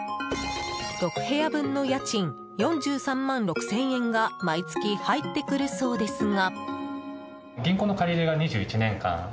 ６部屋分の家賃４３万６０００円が毎月入ってくるそうですが。